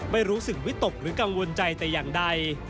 ไม่รู้สึกวิตกหรือกังวลใจแต่อย่างใด